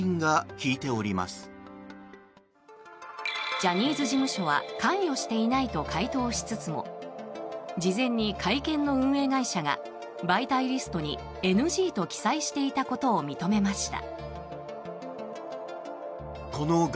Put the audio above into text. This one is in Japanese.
ジャニーズ事務所は関与していないと回答しつつも事前に会見の運営会社が媒体リストにＮＧと記載していたことを認めました。